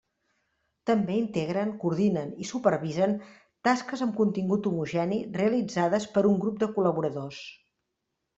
També integren, coordinen i supervisen tasques amb contingut homogeni realitzades per un grup de col·laboradors.